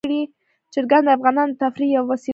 چرګان د افغانانو د تفریح یوه وسیله ده.